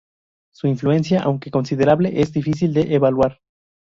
Su influencia, aunque considerable, es difícil de evaluar.